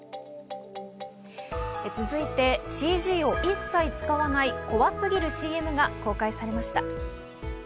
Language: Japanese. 続いてＣＧを一切使わない怖すぎるＣＭが公開されました。